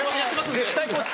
絶対こっち！